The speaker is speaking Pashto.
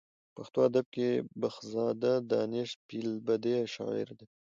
په پښتو ادب کې بخزاده دانش فې البدیه شاعر دی.